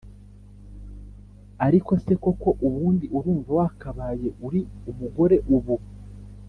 ariko se koko ubundi urumva wakabaye uri umugore ubu?